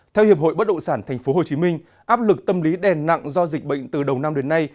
theo hiệp hội bất động sản tp hcm áp lực tâm lý đèn nặng do dịch bệnh từ đầu năm đến nay